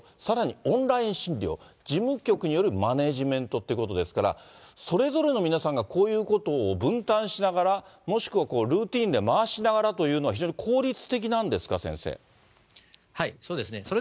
さらにオンライン診療、事務局によるマネジメントっていうことですけれども、それぞれの皆さんがこういうことを分担しながら、もしくは、ルーティンで回しながらというのは、非常に効率的なんですか、先そうですね。